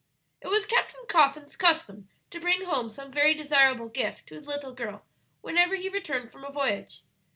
"It was Captain Coffin's custom to bring home some very desirable gift to his little girl whenever he returned from a voyage.